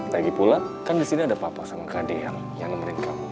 lagi pulang kan di sini ada papa sama kak dian yang nomerin kamu